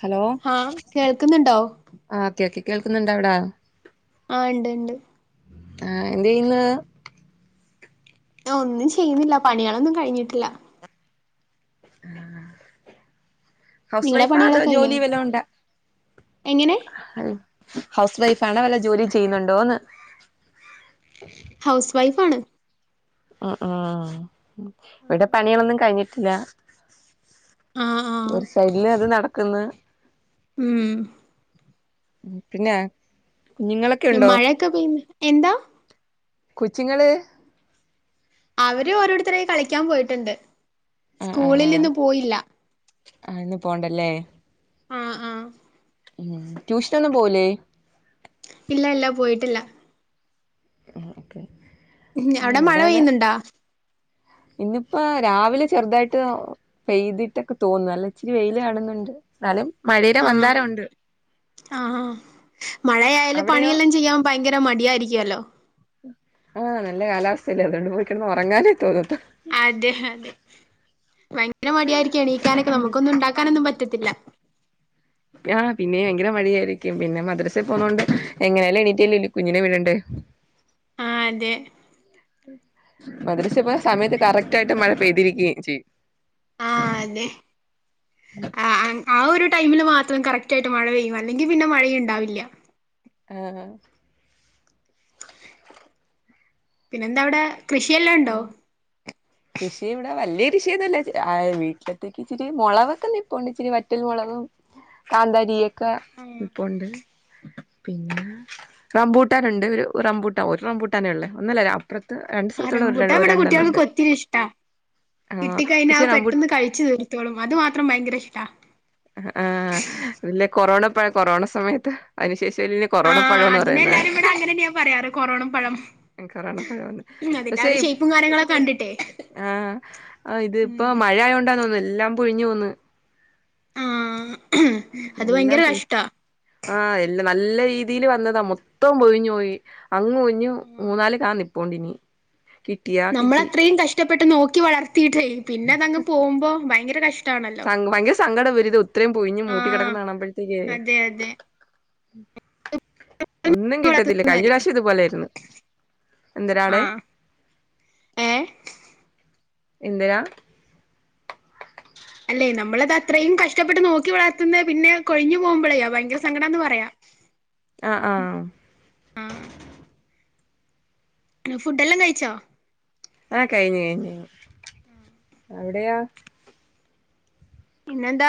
Hello ആഹ് കേൾക്കുന്നുണ്ടോ ആ കേക് കേൾക്കുന്നുണ്ടോവിടാ? ആ ഇണ്ട്ണ്ട്. ആ എന്തേയ്യ്ന്ന്? ഞാ ഒന്നും ചെയ്യുന്നില്ല പണികളൊന്നും കഴിഞ്ഞിട്ടില്ല. ഹൗസ് നിങ്ങളെ വൈഫാ അതോ പണികളൊക്കെ കഴിഞ്ഞോ ജോലി വല്ലോം ഇണ്ട? എങ്ങനെ ഹൗസ് വൈഫ് ആണ വല്ല ജോലിയും ചെയ്യുന്നുണ്ടോന്ന്? ഹൗസ് വൈഫ് ആണ്. ആ ആ ഇവിടെ പണികളൊന്നും കഴിഞ്ഞിട്ടില്ല. ആഹ് ആഹ് ഒരു സൈഡില് അത് നടക്ക്‌ന്ന്. ഉം പിന്നെ? കുഞ്ഞുങ്ങളൊക്കെ ഉണ്ടോ മഴയൊക്കെ പെയ്യുന്നു. എന്താ? കൊച്ചുങ്ങള്? അവര് ഓരോരുത്തരായി കളിക്കാൻ പോയിട്ടൊണ്ട് ആ ആ ആ സ്കൂളിലിന്ന് പോയില്ല. ആ ന്ന് പോണ്ടല്ലേ? ആ ആ ഉം ട്യൂഷനൊന്നും പോവുലേ? ഇല്ല ഇല്ല പോയിട്ടില്ല. ആ ഓക്കെ. ഉം ആ അവടെ മഴ ഇവിടെന്ന് പെയ്യ്ന്നുണ്ടോ? ഇന്നിപ്പോ രാവിലെ ചെറുതായിട്ട് പെയ്തിട്ടക്കെ തോന്ന് അല്ല ഇച്ചിരി വെയില് കാണുന്നു സ്ഥലം? ആ ആ മഴയായാല് അവിടെയോ പണിയെല്ലാം ചെയ്യാൻ ഭയങ്കര മടിയായിരിക്കുവല്ലോ. ആ നല്ല കാലാവസ്ഥല്ലേ അതുകൊണ്ട് പോയി കെടന്ന് ഒറങ്ങാനേ തോന്നത്തൊ അതെ അതെ ഭയങ്കര മടിയായിരിക്കും എണീക്കാനെക്കെ നമുക്കൊന്നും ഉണ്ടാക്കാനൊന്നും പറ്റ ത്തില്ല. ആ പിന്നെ ഭയങ്കര മടിയായിരിക്കും. പിന്നെ മദ്രസെ പോന്നോണ്ട് എങ്ങനെയാലും എണീറ്റലല്ലേ കുഞ്ഞിനെ വിടണ്ടേ. ആ അതെ. മദ്രസപ്പ സമയത്ത് കറക്റ്റ് ആയിട്ട് മഴ പെയ്തിരിക്കേം ചെയ്യും. ആ അതെ ആ ആ ആ ഒരു ടൈമില് മാത്രം കറക്റ്റായിട്ട് മഴ പെയ്യു അല്ലെങ്കി പിന്നെ മഴേണ്ടാവില്ല. ആ പിന്നെന്താ അവിടെ കൃഷിയെല്ലാം ഉണ്ടോ. ആഹ് കൃഷി ഇവിടെ വലിയ കൃഷിയൊന്നല്ല വീട്ടിലത്തേക്ക് ഇച്ചിരി മുളകൊക്കെന്ന ഇപ്പണ്ട് ഇച്ചിരി വറ്റൽ മുളകും..... കാന്തരിയൊക്കെ നിപ്പോണ്ട് പിന്നെ റംബൂട്ടാന ഉണ്ട് ഒരു റംബൂട്ടാ ഒരു റംബൂട്ടാനെള്ളേ ഒന്നല്ല അപ്പുറത്ത്.. ആ സ്ഥലത്തൂടെ റമ്പൂട്ട ഒരു ഇവിടെ രണ്ടെണ്ണം കുട്ടികൾക്ക് ഉണ്ട് കൊത്തിരി ഇഷ്ടാ...... ആഹ് കിട്ടിക്കഴിഞ്ഞ പക്ഷെ റംബൂ പെട്ടന്ന് കഴിച്ചു തീർത്തോളും അത് മാത്രം ഭയങ്കര ഇഷ്ടാ........ ആ ആ ഇല്ല കൊറോണപ്പ കൊറോണ സമയത്ത് അതിനുശേ....... [unintelligible] ആ കൊറോണ പഴംന്ന് അതിനെ പറയുന്ന എല്ലാരും ഇവിടെ അങ്ങനെന്നെയാ പറയാറ് കൊറോണം പഴം കൊറോണ പഴംന്ന്....... ഉം അതിന്റെ ആ ഒരു ഷേപ്പും കാര്യങ്ങളൊക്കെ കണ്ടിട്ടേ ആ ഇത്പ്പ ഉം മഴ........ തോന്ന എല്ലാം പൊഴിഞ്ഞ് പോവുന്ന..... ആ അത് എല്ലാം ഭയങ്കര പോയീ കഷ്ടാ ആ എല്ലാം നല്ല രീതിയിൽ വന്നതാ മൊത്തം പൊയിഞ്ഞു പോയി അങ്ങ് ഒഞ്ഞഞ് മൂന്നാല് കാന്ന....... നമ്മള അത്രയും കഷ്ടപ്പെട്ട് നോക്കി വളർത്തിയിട്ടേ പിന്നെ അതങ്ങ് പോകുമ്പോ ഭയങ്കര കഷ്........ ഭയങ്കര സങ്കടം വരത് ഇത്രയും പൊയിഞ്ഞഞ് ആ മൂട്ട കിടക്കുന്ന കാണുമ്പോഴത്തേക്ക...,. അതെ അതെ ഒന്നും കിട്ടത്തില്ല കഴിഞ്ഞ വളർത്തുന്നല്ലേ പ്രാവശ്യം ഇതുപോലൊയിരുന്നു. എന്തിനാണ്. ആ ഏഹ് എന്രാ..... അല്ലേ നമ്മൾ അത് അത്രേം കഷ്ടപ്പെട്ട് നോക്കി വളർത്തുന്നത് പിന്നെ കൊഴിഞ്ഞ് പോവുമ്പോൾ പയങ്കര സങ്കടം ആന്ന് പറയ ആ ആ ഫുഡ എല്ലാം കഴിച്ചോ. ആ കഴിഞ്ഞ് കഴിഞ്ഞ്, ഴിഞ്ഞ് [unintelligible] ഉം എവിടെയാ.. പിന്നെന്താ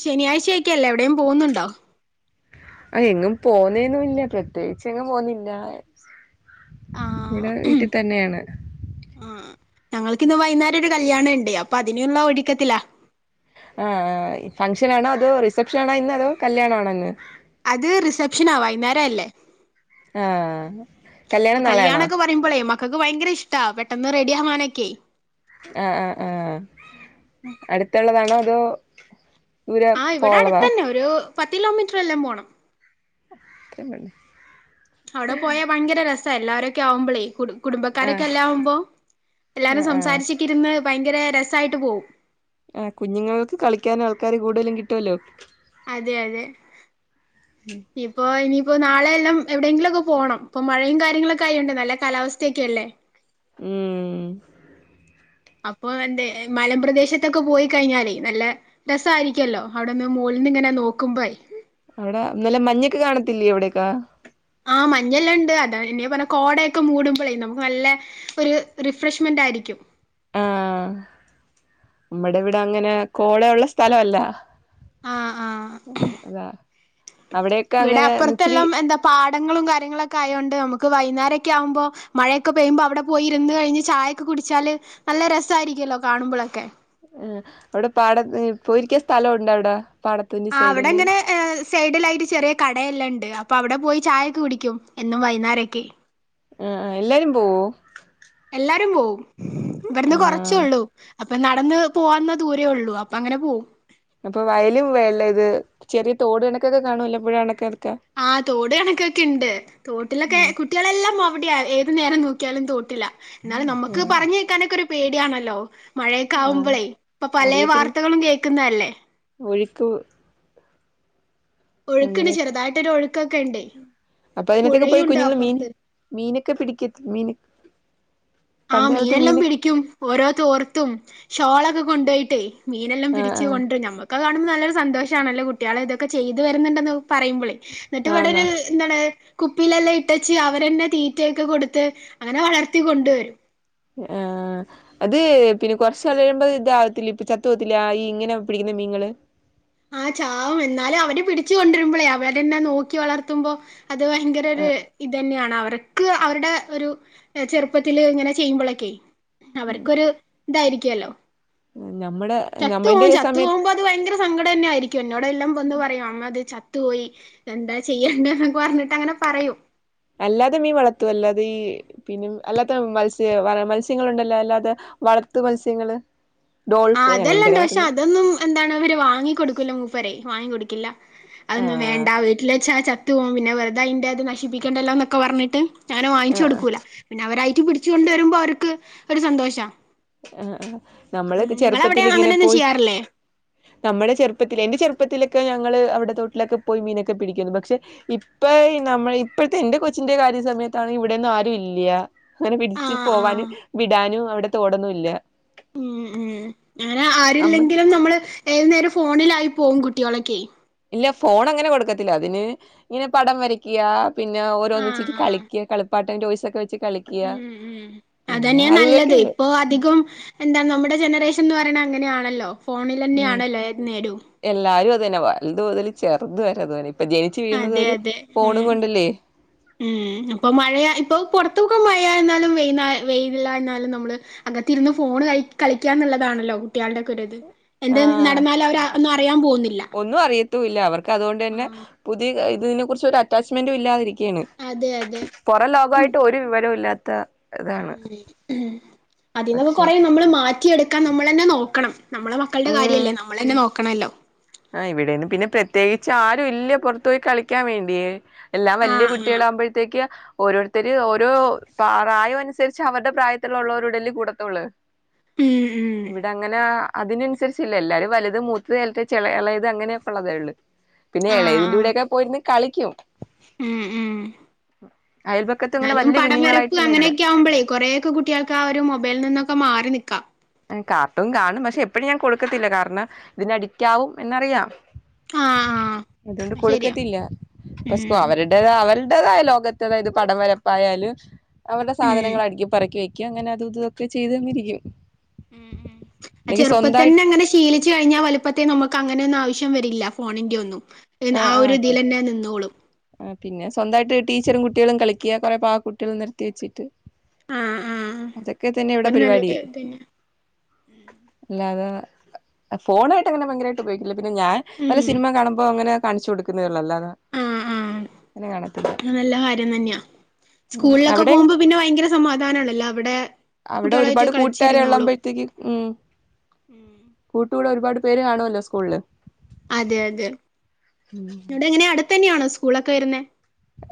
ശനിയാഴ്ച ആയിക്കല്ലേ എവിടെയും പോകുന്നുണ്ടോ......... ആ എങ്ങും പോന്നേന്നുംല്ല പ്രത്യേകിച്ച് എങ്ങും പോന്നില്ല.. ആഹ് ഇവിടെ വീട്ടിൽ തന്നെയാണ്. ആഹ് ഞങ്ങൾക്കിന്ന് വൈകുന്നേരം ഒരു കല്യാണം ഉണ്ട് അപ്പൊ അതിനെയുള്ള ഒഴിക്കത്തില. ആ ഫംഗ്ഷനാണോ അതോ റിസെപ്ഷൻ ആണോ ഇന്ന് അതോ കല്യാണ ആണോ ഇന്ന് അത് റിസപ്ഷനാ വൈകുന്നേര അല്ലേ....... ആ കല്യാണം നാളെയാണോ കല്യാണൊക്കെ പറയുമ്പോളേ...... മക്കക്ക് ഭയങ്കര ഇഷ്ട പെട്ടെന്ന് റെഡി ആവാനൊക്കെ......... ആ ആ ആ അടുത്തുള്ളതാണോ അതോ......... ഇര് ആഹ് ഇവിടെ പോള്ളതാ....,. അടുത്തന്നെ ഒരു പത്ത് കിലോമീറ്റർ എല്ലാം പോണം. അവിടെ പോയാ ഭയങ്കര രസം എല്ലാവരുംക്കെ ആവുമ്പോളേ.. ആ കുടുംബക്കാരൊക്കെ എല്ലകുമ്പോ. ആ എല്ലാരും ആ സംസാരിച്ചൊക്കെ ഇരുന്ന് പൈക്കര രസം ആയിട്ട് പോകും ആ കുഞ്ഞുങ്ങൾക്ക് കളിക്കാന ആൾക്കാര് കൂടുതലും കിട്ടുല്ലോ....... അതെ അതെ ഇപ്പൊ. ഇനി ഇപ്പൊ നാളെയ എല്ലാം എവിടെയെങ്കിലുംക്കെ പോണം ഇപ്പൊ മഴയും കാര്യങ്ങളൊക്കെ ആയിുണ്ട് നല്ല കാലാവസ്ഥയൊക്കെ അല്ലേ.. ഉം....... അപ്പൊ എന്ത മലംപ്രദേശത്തൊക്കെ പോയി കഴിഞ്ഞാല്നല്ല രസമായിരിക്കല്ലോ അവിടെന്ന്. ഇങ്ങനെയാ നോക്കുമ്പോ. അവിടെന്നല്ലെ മഞ്ഞൊക്കെ കാണത്തില്ല എവിടെേക്കാ........ ആ മഞ്ഞെല്ലാം ഉണ്ട് അതാ എന്നന്നെ പറഞ്ഞ കോടയൊക്കെ മൂടുമ്പോേ നമുക്ക് നല്ല ഒരു റിഫ്രഷ്മെന്റ് ആയിരിക്കും. ആ നമ്മടെ ഇവിടെ അങ്ങനെ കോള ഉള്ള സ്ഥലല്ല...... ആഹ് ആഹ് അതാ. അവിടെയൊക്കെ ഇവിടെ അങ്ങനെ അപ്പുറത്തെ ഇച്ചിരി എല്ലാം എന്താ പാടങ്ങളും കാര്യങ്ങളുംക്കെ ആയതോണ്ട് [unintelligible] വൈുന്നേരൊക്കെ ആകുമ്പോ മഴയൊക്കെ പെയ്യ്പോ അവിടെ പോയി ഇരുന്ന് കഴിഞ്ഞ് ചായയക്കെ കുടിച്ചാല് നല്ല രസ ആയിരിക്കും ല്ല കാണുമ്പോഴൊക്കെ ഉം അവിടെ പാടത്ത് പോയിരിക്ക സ്ഥലം ഉണ്ടോ അവിടെ പാടത്തിന്റെ ആഹ് സൈഡില് അവിടെങ്ങനെ സൈഡിലായിട്ട് ചെറിയ കടയെല്ലാം ഇണ്ട് അപ്പൊ അവിടെ പോയി ചായയൊക്കെ കുടിക്കും എന്നും വൈന്നേരൊക്കെ ആഹ എല്ലാവരും പോവോ എല്ലാവരും പോവും ഇവട്ന്ന് ആഹ് കൊറച്ചൊള്ളൂ അപ്പൊ നടന്ന് പോവാന് ദൂരേ ഉള്ളൂ അപ്പൊ അങ്ങനെ പോവും. അപ്പൊ വയലും വെളളം ഇത് ചെറിയ തോട് കണക്കൊക്കെ കാണൂല്ലേ പുഴ അണക്കൊക്കെ ആഹ തോട് കണക്കൊക്കെ ഉണ്ട് തോട്ടിലൊക്കെ ഉം കുട്ടികളെല്ലാം അവിടെ ഏത് നേരം നോക്കിയാലും തോട്ടിൽ എന്നാലും നമുക്ക് ആഹ് പറഞ്ഞു നിൽക്കാനൊക്കെ ഒരു പേടിയാണല്ലോ മഴയൊക്കെ ആഹ് ആവുമ്പോളേ ഇപ്പൊ പല അറിയത്തില്ല വാർത്തകളും കേൾക്കുന്നല്ലേ [inaudible] ഒഴുക്ക്ണ്ട് അങ്ങനെയെ ചെറുതായിട്ടൊരു ഒഴുക്കൊക്കെ ഇണ്ടേ അപ്പൊ അതിനത്തേക്ക് പോയി പുഴയുണ്ട് കുഞ്ഞുങ്ങൾ മീൻ അപ്പുറത്ത് മീനെ ക്ക് പിടിക്കത്തില്ലേനു ആ മീനെല്ലാം പിടിക്കും ഓരോ തോർത്തും ഷോളൊക്കെ കൊണ്ടോയിട്ടേ മീനെല്ലാം ആഹ് പിടിച്ച് ആഹ് കൊണ്ട് നമ്മുക്ക് കാണുമ്പോൾ നല്ലൊരു സന്തോഷമാണല്ലോ കുട്ടികൾ ഇതൊക്കെ ചെയ്ത് വരുന്നുണ്ടല്ലോ പറയുമ്പോളേ എന്നിട്ട് ആന്നാ ഇവിടെയൊരു എന്താണ് കുപ്പിയിലെല്ലാം ഇട്ടെച്ച് അവരന്നെ തീറ്റയക്കെ കൊടുത്ത് അങ്ങനെ വളർത്തി കൊണ്ടുവരും. ആഹ് അത് പിന്നെ കുറച്ച് കഴിയുമ്പോ ഇതാവത്തില്ലെ ഇപ്പ ചത്തുപോവത്തില്ലെ ഇങ്ങനെ പിടിക്കുന്ന നിങ്ങൾ ആ ചാവും എന്നാലും അവർ പിടിച്ച് കൊണ്ടു വരുമ്പോഴേ അവർ തന്നെ നോക്കി വളർത്തുമ്പോൾ അത് ഭയങ്കര ആ ഒരു ഇത് തന്നെയാണ് അവി- അവർക്ക് അവരുടെ ഒരു ചെറുപ്പത്തിൽ ഇങ്ങനെ ചെയ്യുമ്പോഴൊക്കെ അവർക്കൊരു ഇതായിരിക്കോല്ലോ നമ്മടെ ചത്തു നമ്മന്റെ പോവും ചത്തു സമയത്ത് പോവുമ്പോ അത് ഭയങ്കര സങ്കടന്നെ ആയിരിക്കും എന്നോട് എല്ലാം വന്ന് പറയും അമ്മ അത് ചത്ത് പോയി എന്താ ചെയ്യ പറഞ്ഞിട്ട് അങ്ങനെ പറയും അല്ലാതെ മീൻ വളർത്തുല്ലോ അല്ലാതെ ഈ അല്ലാത്ത മത്സ്യ മത്സ്യങ്ങളുണ്ടല്ലോ അല്ലാതെ വളത്തു മത്സ്യങ്ങൾ ആ അതല്ലാണ്ട് പക്ഷെ അതൊന്നും എന്താണ് അവർ വാങ്ങി കൊടുക്കൂല്ല മൂപ്പര് വാങ്ങി കൊടുക്കില്ല അതൊന്നും ആഹ് വേണ്ട വീട്ടിൽ വെച്ചാൽ ആ ചത്തു പോകും പിന്നെ വെറുതെ അയിൻ്റെ അത് നശിപ്പിക്കേണ്ടല്ലോന്നൊക്കെ പറഞ്ഞിട്ട് ഞാൻ വാങ്ങിച്ചു ആഹ് കൊടുക്കൂല പിന്നെ അവരായിട്ട് പിടിച്ചു കൊണ്ട് വരുമ്പോ അവർക്ക് ഒരു സന്തോഷാ ആ ആ ഉം നമ്മളൊക്കെ നിങ്ങളവിടെ ചെറുപ്പത്തിലിങ്ങനെ അങ്ങനെയൊന്നും പോയി ചെയ്യാറില്ലേ നമ്മളെ ചെറുപ്പത്തിലെ എന്റെ ചെറു ചെർപ്പത്തിലൊക്കെ ഞങ്ങള് അവിടെ തോട്ടിലൊക്കെ പോയി മീനൊക്കെ പിടിക്കുന്നു പക്ഷെ ഇപ്പൊ നമ്മൾ ഇപ്പോഴത്തെ എന്റെ കൊച്ച് എന്റെ കാര്യ സമയത്താണ് ഇവിടെന്നും ആരും ഇല്ല അങ്ങനെ ആഹ് പിടിച്ചുപോവാനും ആഹ് വിടാനും അവിടെ തോടൊന്നുമില്ല ഇമ് ഇമ് അങ്ങനെ അമ്മ ആരില്ലെങ്കിലും നമ്മൾ ഏതു നേരം ഫോണിലാ- ആയി പോവും കുട്ടികളൊക്കെ ഇല്ല ഫോൺ അങ്ങനെ കൊടുക്കത്തില്ല അതിന് ഇങ്ങനെ പടം വരയ്ക്ക പിന്നെ ഓരോന്ന് വെച്ച് ആഹ് കളിക്ക കളിപ്പാട്ടം ടോയ്സ് ഒക്കെ വെച്ച് കളിക്കുക ഉം ഉം പിന്നെ അതന്നെയാ അത് നല്ലത് ഇതൊക്കെയുള്ളു ഇപ്പൊ അധികം എന്താ നമ്മുടെ ജനറേഷൻ എന്ന് പറ അങ്ങനെയാണല്ലോ ഫോണിലന്നെയാണല്ലോ ഏത് നേരോം അ തന്നെ വലുത് മുതൽ ചെറുത് വരെ അതുന്നെ ഇപ്പൊ ജനിച്ച് വീഴുന്നത് പോലും അതെ ഒരു അതെ ഫോണും ഉം കൊണ്ടല്ലേ ഉം അപ്പൊ മഴയാ ഇപ്പൊ പുറത്തൊക്കെ മഴയായാലും വെയിൽ ആയാലും നമ്മൾ കത്ത് ഇരുന്ന് ഫോൺ കളിക്ക ന്നുള്ളതാണല്ലോ കുട്ടികളുടെ ഒക്കെ ഇത് എന്ത് ആഹ് നടന്നാലും അവർ ഒന്നും അറിയാൻ പോകുന്നില്ല പുതിയതായി ഇതിനെ കുറിച്ച് ഒരു അറ്റാച്ച്മെൻ്റ് ഇല്ലാതിരിക്കുകയാണ് അതെ അതെ പുറം ലോകായിട്ട് ഒരു വിവരവും ഇല്ലാത്ത ഇതാണ് അതീന്നൊക്കെ പക്ഷെ കൊറേ നമ്മൾ മാറ്റിയെടുക്കാൻ നമ്മളന്നെ നോക്കണം നമ്മളെ മക്കള്ടെ ഉം കാര്യല്ലേ നമ്മളന്നെ നോക്കണല്ലോ ആ ഇവിടെന്ന് പിന്നെ പ്രത്യേകിച്ച് ആരു ഇല്ല പുറത്ത് പോയി കളിക്കാൻ വേണ്ടിയെ എല്ലാം വല്ല്യെ ആഹ് ആഹ് കുട്ടികളാകുമ്പോഴത്തേക്ക് ഓരോരുത്തർ ഓരോ പ്രായാനുസരിച് അവരുടെ പ്രായത്തിലില്ലോരോടെല്ലേ കൂടെത്തൊള്ളൂ ഉം ഉം ഇവിടെ അങ്ങനെ അതിനനുസരിച്ചില്ല എല്ലാരും വലുത് മൂത്തത് ചള ഇളയത് അങ്ങനെയൊക്കെ ഉള്ളതേ ഉള്ളൂ പിന്നെ ആഹ് ഇളയതിന്റെ ആഹ് കൂടെയൊക്കെ പോയിര്ന്ന് കളിക്കും ഉം ഉം [inaudible] അയൽപക്കത്തും ഇങ്ങനെ എന്നാലും വലിയ പടം വരപ്പ് കുഞ്ഞുങ്ങളായിട്ടുള്ള ഇല്ല അങ്ങനെയൊക്കയാവും ഒക്കെ മാറി നിക്കാ കാത്തു കാണും പക്ഷെ എപ്പഴും ഞാൻ കൊടുക്കത്തില്ല കാരണം ഇതിന് അഡിക്റ്റ്ആകും എന്നറിയാം ആഹ് ആഹ് അത് ശരിയാ കൊടുക്കത്തില്ല ഉം [unintelligible] അവരുടേത് അവര് അവര്ടേതായ ലോകത്ത് അതായത് പടം വരപ്പായാലും അവരുടെ ഉം സാധനങ്ങൾ അടുക്കിപ്പറക്കി വെക ഇക്ക് അങ്ങനെ അതും ഇതൊക്കെ ചെയ്തു തന്നിരിക്കും ഉം ഉ ആ അല്ലെങ്കിൽ ചെറുപ്പത്തി സ്വന്തമായി തന്നെ അങ്ങനെ ശീലിച്ചു കഴിഞ്ഞാ വലുപ്പത്തേ നമുക്ക് ക്ക അങ്ങനെയൊന്നും ആവശ്യം വരില്ല ഫോണിന്റെ ഒന്നും ആ ഒരു ഇതിലന്നെ നിന്നോളും സ്വന്തായിട്ട് ടീച്ചറും കുട്ടിയേളും കളിക്ക കുറേ പാവ കുട്ടിയെളൊക്കെ നെരത്തി വെച്ചിട്ട് ആഹ് ആഹ് അതൊക്കെ തന്നെ ഇവിടെ പരിപാടി നല്ലൊരു ഇതന്നെ ല്ലത് ഫോണായിട്ട് അങ്ങനെ ഭയങ്കരായിട്ട് ഉപയോഗിക്കില്ല പിന്നെ ഞാൻ വല്ല ഉം സിനിമ കാണുമ്പോ അങ്ങനെ കാണിച്ചു കൊടുക്കുന്നതതെള്ളൂ അല്ലാതെ ആഹ് അങ്ങനെ കാണത്തില്ല ആഹ് നല്ല കാര്യം തന്നെയാ ഉം, സ്കൂളിലൊക്കെ അവിടെയും പോകുമ്പോ പിന്നെ ഭയങ്കര സമാധാനം ആണല്ലോ അവിടെ അവിടെ കുട്ടികളായിട്ട് ഒരുപാട് കൂട്ടാര് കളിച്ചിരുന്നോളും ഉള്ളമ്പോഴത്തേക്ക് ഉം ഉം കൂടെ ഒരുപാട് പേര് കാണോല്ലോ സ്കൂളില് അതെ അതെ ഇടെ എങ്ങനെ അടുത്ത തന്നെയാണോ സ്കൂളൊക്കെ വരുന്നെ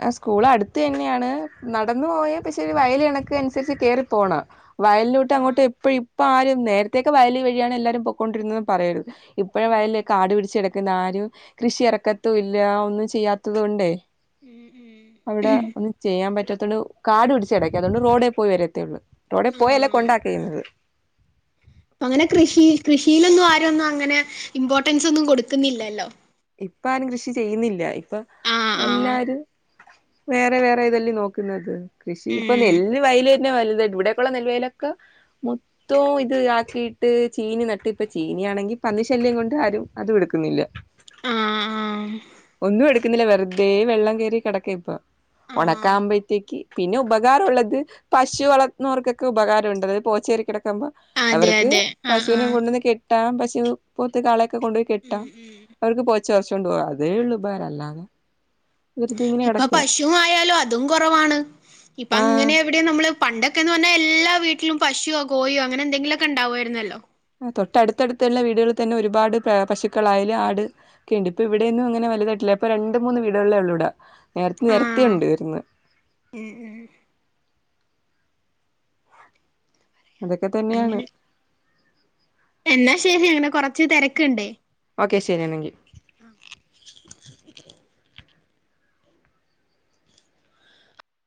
ആ സ്കൂൾ അടുത്ത് തന്നെയാണ് നടന്നു പോയ പക്ഷെ ഒരു വയല് കണക്ക് അനുസരിച്ച് കേറിപ്പോണം വയലിലോട്ട് ആഹ് അങ്ങോട്ടും എപ്പഴും ഇപ്പ ആരും നേരത്തേക്കെ വയല് വഴിയാണ് എല്ലാരും പോക്കൊണ്ടിരുന്നതന്ന് പറയരുത് ഇപ്പഴ ഉം വയലയ് കാട് പിടിച്ചെട്ക്ക ആരും കൃഷി ഇറക്കത്തും ഇല്ല ഒന്നും ചെയ്യാത്തത് കൊണ്ടേയ് ഉം അവിടെ ഉം ഒന്നും ചെയ്യാൻ പറ്റാത്തൊണ്ട് കാട് പിടിച്ചട്ക്കാ അതുകൊണ്ട് റോഡേ പോയി വരത്തേള്ളൂ റോഡേ പോയല്ലേ ആഹ് കൊണ്ടാക്കേ ചെയ്തത് അങ്ങനെ കൃഷി കൃഷിയിലൊന്നും ആരൊന്നും അങ്ങനെ ഇമ്പോർട്ടൻസ് ഒന്നും കൊടുക്കുന്നില്ലല്ലോ ഇപ്പ ആരും കൃഷി ചെയ്യുന്നില്ല ഇപ്പൊ ആഹ് ആഹ് എല്ലാരും വേറെ വേറെ ഇതല്ലേ നോക്കുന്നത് കൃഷി ഇപ്പൊ ഉം നെല്ല് വയല് പിന്നെ വലുത് ഇവിടെക്കുള്ള നെല്ലവയലൊക്കെ മൊത്തവും ഇത് ആക്കിട്ട് ചീനി നട്ട് ഇപ്പ ചീനി ആണെങ്കിൽ പന്നി ശല്യം കൊണ്ട് ആരും അതും എടുക്കുന്നില്ല ആഹ് ആഹ് ഒന്നും എടുക്കുന്നില്ല വെറുതെ വെള്ളം കയറി കിടക്ക ഇപ്പ ആഹ് ഉണക്കാവുമ്പോഴത്തേക്ക് പിന്നെ ഉപകാരം ഉള്ളത് പശു വളർത്തുന്നവർക്കൊക്കെ ഉപകാരം ഉണ്ടത് പോച്ചേരിക്കിട ക്കുമ്പോ അതെ അവർക്ക് അതെ ആഹ് പശുവിനെ ആഹ് കൊണ്ടെന്ന് കെട്ടാം പശു പോത്ത് കാള ക്കെ കൊണ്ടോയി ഉം കെട്ടാം ഉം അവർക്ക് പോച്ച പറിച് കൊണ്ടോവാ അതേ ഉള്ളു ഉപകാരം അല്ലാതെ വെറുതെ ഇങ്ങനെ ഇപ്പൊ കിടക്കയാ പശുമായാലും അതും കൊറവാണ് ഇപ്പൊ ആഹ് അങ്ങനെ എവിടീം നമ്മള് പണ്ടൊക്കെന്ന് പറഞ്ഞാൽ എല്ലാ വീട്ടിലും പശോ കോയോ അങ്ങനെ എന്തെങ്കിലൊക്കെ ഉണ്ടാവായിരുന്നല്ലോ ആ തൊട്ടടുത്തടുത്തുള്ള വീടുകളിൽ തന്നെ ഒരുപാട് പശുക്കളായാല് ആട് ക്കെയുണ്ട് ഇപ്പോ ഇവിടെയൊന്നും അങ്ങനെ വലതായിട്ടില്ല ഇപ്പോ രണ്ട് മൂന്ന് വീടുകളിലേ ഉള്ളൂ ഇവിടെ നെരത്തി നെരത്തി ണ്ടായിരുന്ന് ഏഹ് ഹ് അതൊക്കെ തന്നെയാണ് അങ്ങനെ എന്നാ ശരി അങ്ങനെ കൊറച്ച് തിരക്ക്‌ണ്ടേ ഓക്കെ ശരി ആണെങ്കി [inaudible]